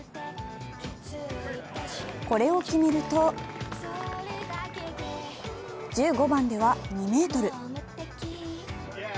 これを決めると、１５番では２ｍ。